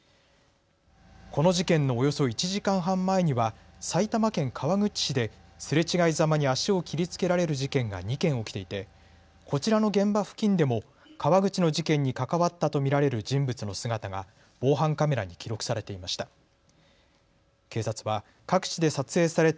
この事件のおよそ１時間半前には埼玉県川口市ですれ違いざまに足を切りつけられる事件が２件起きていてこちらの現場付近でも川口の事件に関わったと見られる人物の姿が防犯カメラに記録されていました。